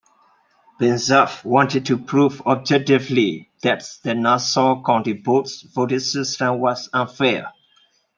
Banzhaf wanted to prove objectively that the Nassau County board's voting system was unfair.